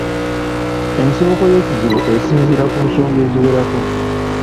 Ensibuko y’ekizibu esinziira ku nsonga eziwerako.